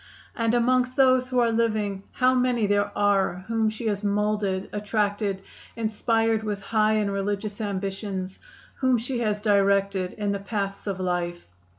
And amongst those who are living, how many there are whom she has moulded, attracted, inspired with high and religious ambitions; whom she has directed in the paths of life!